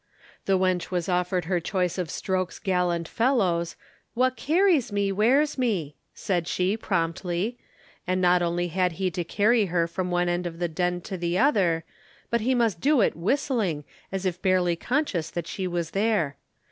The wench was offered her choice of Stroke's gallant fellows, but "Wha carries me wears me," said she, promptly, and not only had he to carry her from one end of the Den to the other, but he must do it whistling as if barely conscious that she was there.